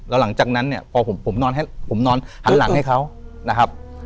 แล้วหลังจากนั้นเนี่ยพอผมนอนหันหลังให้เขานะครับ